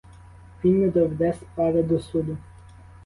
Він не доведе справи до суду.